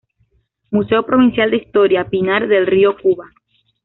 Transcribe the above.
Museo Provincial de Historia, Pinar del Río, Cuba.